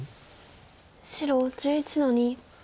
白１１の二。